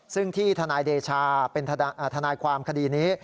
ซึ่งที่ทนายเดชาเป็นทนายความคดีนี้